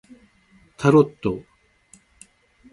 タロット